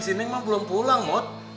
si neng mah belum pulang bot